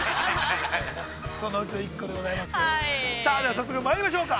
◆早速まいりましょうか。